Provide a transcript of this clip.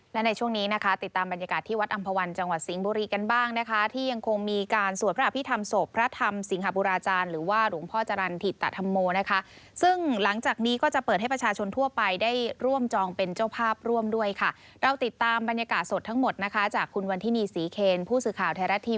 และในช่วงนี้นะคะติดตามบรรยากาศที่วัดอำภาวันจังหวัดสิงห์บุรีกันบ้างนะคะที่ยังคงมีการสวดพระอภิษฐรรมศพพระธรรมสิงหาบุราจารย์หรือว่าหลวงพ่อจรรย์ถิตธรรมโมนะคะซึ่งหลังจากนี้ก็จะเปิดให้ประชาชนทั่วไปได้ร่วมจองเป็นเจ้าภาพร่วมด้วยค่ะเราติดตามบรรยากาศสดทั้งหมดนะคะจากคุณวันทินีศรีเคนผู้สื่อข่าวไทยรัฐทีวี